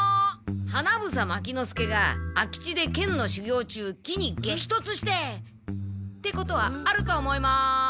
花房牧之介が空き地で剣の修行中木に激突してってことはあると思います。